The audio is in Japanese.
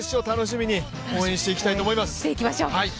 明日の準決勝楽しみに応援していきたいと思います。